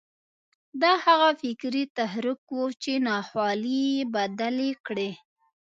دا هغه فکري تحرک و چې ناخوالې یې بدلې کړې